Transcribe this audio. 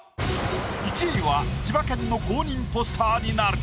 １位は千葉県の公認ポスターになる。